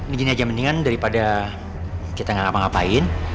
begini aja mendingan daripada kita gak ngapa ngapain